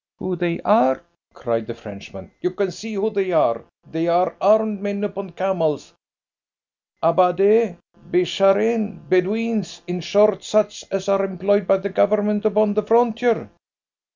"Who they are?" cried the Frenchman. "You can see who they are. They are armed men upon camels, Ababdeh, Bishareen Bedouins, in short, such as are employed by the Government upon the frontier."